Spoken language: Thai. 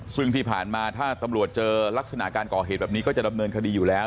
ซึ่งที่ผ่านมาถ้าตำรวจเจอลักษณะการก่อเหตุแบบนี้ก็จะดำเนินคดีอยู่แล้ว